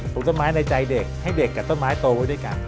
ต้นไม้ในใจเด็กให้เด็กกับต้นไม้โตไว้ด้วยกัน